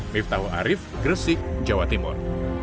miftahul arief gresik jawa timur